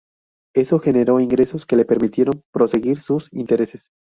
Eso generó ingresos que le permitieron proseguir sus intereses.